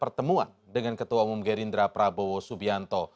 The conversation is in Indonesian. pertemuan dengan ketua umum gerindra prabowo subianto